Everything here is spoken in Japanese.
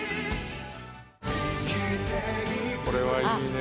これはいいねえ。